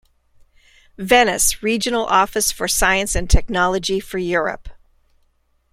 Venice : Regional Office for Science and Technology for Europe.